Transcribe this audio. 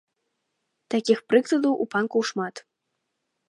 Такіх прыкладаў у панкаў шмат.